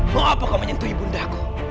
mengapa kau menyentuh ibu undah aku